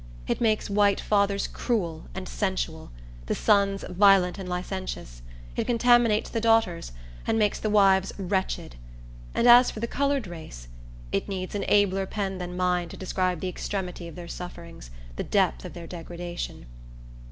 It makes white fathers cruel and sensual; the sons violent and licentious; it contaminates the daughters, and makes the wives wretched. And as for the colored race, it needs an abler pen than mine to describe the extremity of their sufferings, the depth of their degradation.